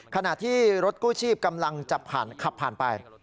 ขณะที่รถกู้ชีพกำลังจะผ่านขับผ่านไป